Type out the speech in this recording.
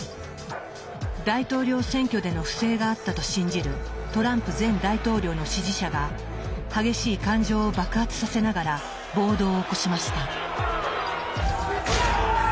大統領選挙での不正があったと信じるトランプ前大統領の支持者が激しい感情を爆発させながら暴動を起こしました。